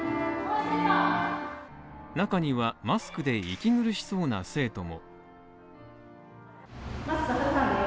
中には、マスクで息苦しそうな生徒も。